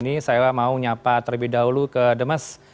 ini saya mau nyapa terlebih dahulu ke demes